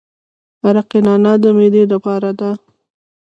عرق نعنا د معدې لپاره دی.